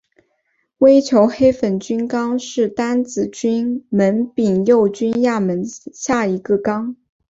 微球黑粉菌纲是担子菌门柄锈菌亚门下的一个纲。